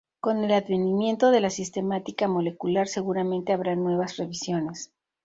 Con el advenimiento de la sistemática molecular seguramente habrá nuevas revisiones.